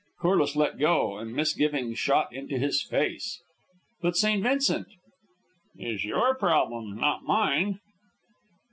Corliss let go, and misgiving shot into his face. "But St. Vincent?" "Is your problem, not mine."